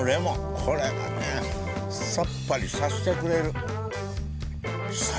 これがさっぱりさせてくれる。